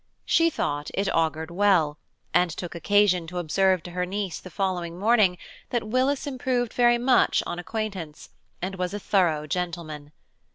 She thought it augured well, and took occasion to observe to her niece the following morning that Willis improved very much on acquaintance, and was a thorough gentlemen.